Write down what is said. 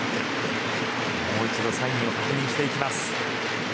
もう一度サインを確認していきます。